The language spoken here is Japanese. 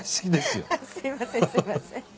すいません。